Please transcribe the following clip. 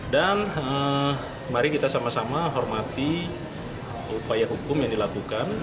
dan mari kita sama sama hormati upaya hukum yang dilakukan